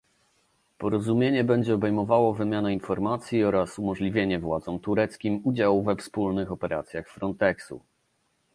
Porozumienie będzie obejmowało wymianę informacji oraz umożliwienie władzom tureckim udziału we wspólnych operacjach Fronteksu